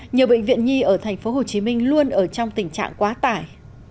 nhiều bệnh viện nhi ở thành phố hồ chí minh luôn ở trong tình trạng quá tải